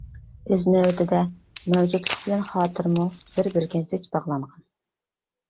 ئۆز نۆۋىتىدە، مەۋجۇتلۇق بىلەن خاتىرىمۇ بىر-بىرىگە زىچ باغلانغان.